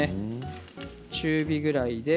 中火ぐらいで。